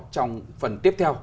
trong phần tiếp theo